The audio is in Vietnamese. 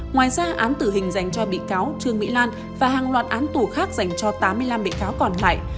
ngoài ra án tử hình dành cho bị cáo trương mỹ lan và hàng loạt án tù khác dành cho tám mươi năm bị cáo còn lại